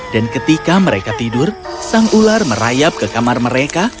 dan ketika mereka tidur sang ular merayap ke kamar mereka